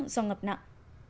do ngập nặng